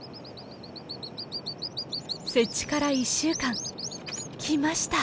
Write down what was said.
設置から１週間。来ました。